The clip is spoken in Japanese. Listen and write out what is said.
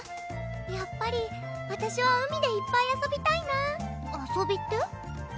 やっぱりわたしは海でいっぱい遊びたいな遊びって？